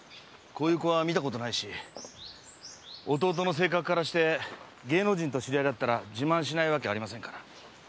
こういう子は見た事ないし弟の性格からして芸能人と知り合いだったら自慢しないわけありませんから。